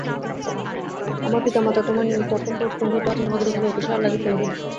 আমার পিতা মাতা তোমার নিমিত্ত অত্যন্ত উৎকণ্ঠিত আছেন, তোমাকে দেখিলে অতিশয় আহ্লাদিত হইবেন।